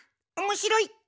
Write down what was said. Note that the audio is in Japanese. おもしろい。